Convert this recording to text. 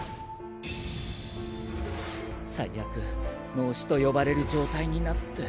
最悪脳死と呼ばれる状態になって。